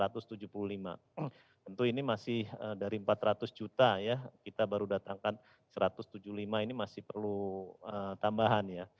tentu ini masih dari empat ratus juta ya kita baru datangkan satu ratus tujuh puluh lima ini masih perlu tambahan ya